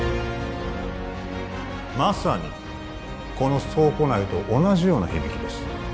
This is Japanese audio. まさにこの倉庫内と同じような響きです